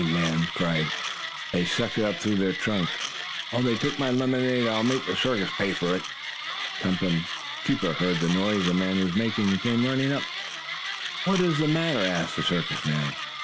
the man cried. "They sucked it up through their trunks. Oh, they took my lemonade, and I'll make the circus pay for it!" Tum Tum's keeper heard the noise the man was making, and came running up. "What is the matter?" asked the circus man.